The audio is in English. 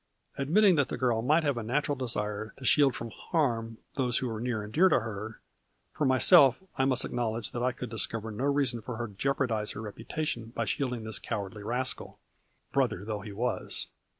Admitting that the girl might have a natural desire to shield from harm those who were near and dear to her, for myself, I must acknowledge that I could discover no reason for her to jeop ardize her reputation by shielding this cowardly rascal, brother though he was.